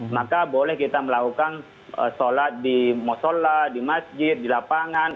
maka boleh kita melakukan sholat di masjid di lapangan